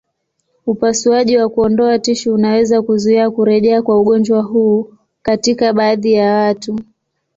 Upasuaji wa kuondoa tishu unaweza kuzuia kurejea kwa ugonjwa huu katika baadhi ya watu.